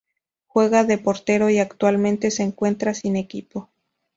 Juega de Portero y actualmente se encuentra sin equipo.